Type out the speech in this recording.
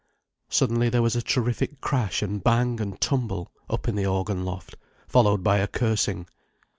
Suddenly there was a terrific crash and bang and tumble, up in the organ loft, followed by a cursing.